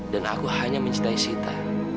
dan aku hanya mencintai sita